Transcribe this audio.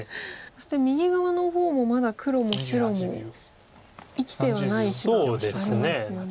そして右側の方もまだ黒も白も生きてはない石がありますよね。